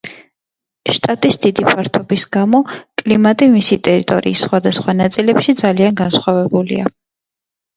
შტატის დიდი ფართობის გამო კლიმატი მისი ტერიტორიის სხვადასხვა ნაწილებში ძალიან განსხვავებულია.